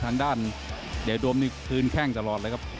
ทางด้านเดชโดมนี่คืนแข้งตลอดเลยครับ